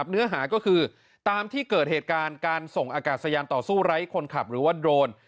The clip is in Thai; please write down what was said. เนื้อหาก็คือตามที่เกิดเหตุการณ์การส่งอากาศยานต่อสู้ไร้คนขับหรือว่าโดรน